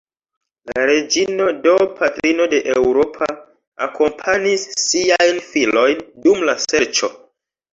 La reĝino, do patrino de Eŭropa, akompanis siajn filojn dum la serĉo.